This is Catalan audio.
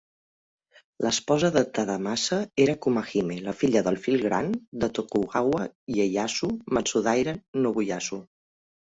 L'esposa de Tadamasa era Kumahime, la filla del fill gran de Tokugawa Ieyasu, Matsudaira Nobuyasu.